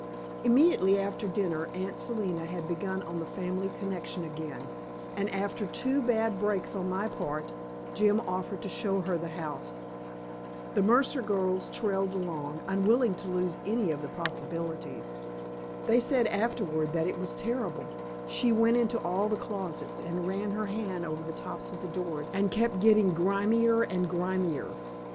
Immediately after dinner Aunt Selina had begun on the family connection again, and after two bad breaks on my part, Jim offered to show her the house. The Mercer girls trailed along, unwilling to lose any of the possibilities. They said afterward that it was terrible: she went into all the closets, and ran her hand over the tops of doors and kept getting grimmer and grimmer.